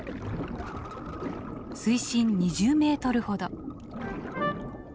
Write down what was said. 水深２０メートルほど。